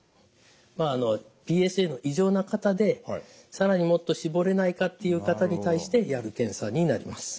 ＰＳＡの異常な方で更にもっと絞れないかっていう方に対してやる検査になります。